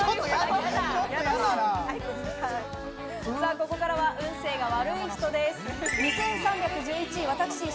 ここからは運勢が悪い人です。